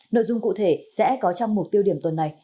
nội dung cụ thể sẽ có trong mục tiêu điểm tuần này